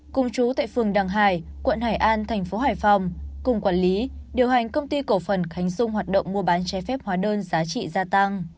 cùng chú tại phường đằng hải quận hải an thành phố hải phòng cùng quản lý điều hành công ty cổ phần khánh dung hoạt động mua bán trái phép hóa đơn giá trị gia tăng